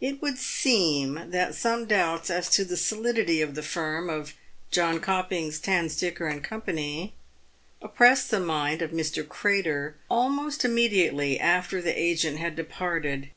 It would seem that some doubts as to the solidity of the firm of Jonkopings, Tandstickor, and Co. oppressed the mind of Mr. Crater almost immediately after the agent had departed.